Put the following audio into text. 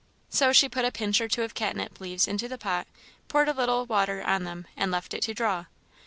So she put a pinch or two of catnip leaves into the pot, poured a little water on them, and left it to draw.